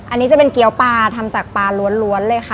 อันนี้จะเป็นเกี้ยวปลาทำจากปลาล้วนเลยค่ะ